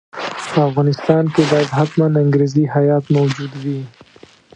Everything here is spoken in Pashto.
په افغانستان کې باید حتماً انګریزي هیات موجود وي.